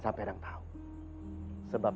kamu udah siap